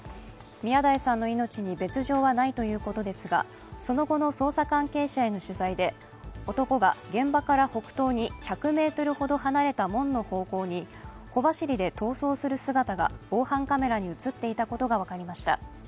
宮台さんの命に別条はないということですが、その後の捜査関係者への取材で、男が現場から北東に１００ｍほど離れた門の方向に小走りで逃走する姿が防犯カメラに映っていたことが分かりました。